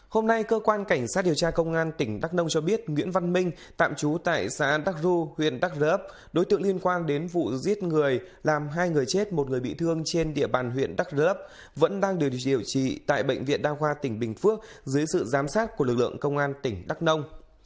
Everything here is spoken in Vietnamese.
hôm nay cơ quan cảnh sát điều tra công an tỉnh đắk nông cho biết nguyễn văn minh tạm trú tại xã đắc ru huyện đắc rớp đối tượng liên quan đến vụ giết người làm hai người chết một người bị thương trên địa bàn huyện đắk rớp vẫn đang được điều trị tại bệnh viện đa khoa tỉnh bình phước dưới sự giám sát của lực lượng công an tỉnh đắk nông